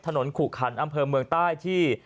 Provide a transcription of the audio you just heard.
ขุขันอำเภอเมืองใต้ที่